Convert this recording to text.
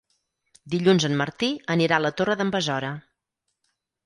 Dilluns en Martí anirà a la Torre d'en Besora.